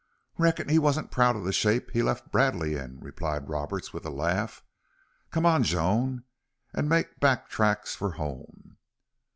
"Reckon he wasn't proud of the shape he left Bradley in," replied Roberts, with a laugh. "Come on, Joan, an' make back tracks for home."